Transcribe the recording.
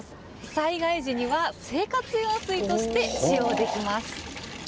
災害時には生活用水として使用できます。